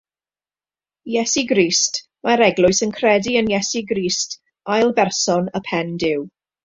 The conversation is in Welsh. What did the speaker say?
Iesu Grist – mae'r eglwys yn credu yn Iesu Grist, ail berson y pen-Duw.